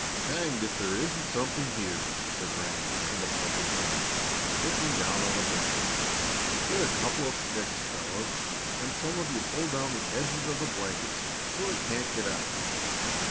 "Hanged if there isn't something here!" said Ranny, in a puzzled tone, looking down on the blankets. "Get a couple of sticks, fellows, and some of you hold down the edges of the blankets so it can't get out."